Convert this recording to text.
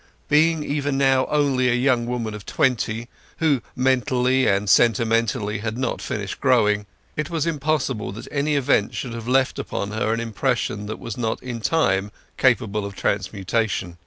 Being even now only a young woman of twenty, one who mentally and sentimentally had not finished growing, it was impossible that any event should have left upon her an impression that was not in time capable of transmutation.